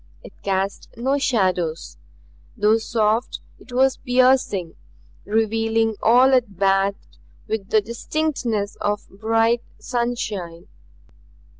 It cast no shadows; though soft, it was piercing, revealing all it bathed with the distinctness of bright sunshine.